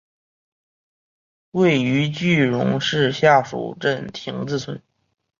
位于句容市下蜀镇亭子村。